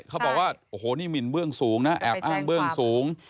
เขาบอกว่าโอ้โหนี่หมินเบื้องสูงนะแอบอ้างเบื้องสูง